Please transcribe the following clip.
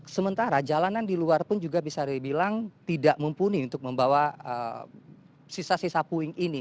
sementara jalanan di luar pun juga bisa dibilang tidak mumpuni untuk membawa sisa sisa puing ini